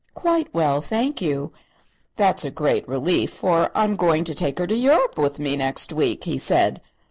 "Quite well, thank you." "That's a great relief, for I'm going to take her to Europe with me next week," he said.